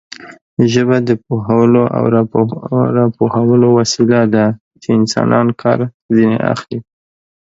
ژبه د پوهولو او راپوهولو وسیله ده چې انسانان کار ځنې اخلي.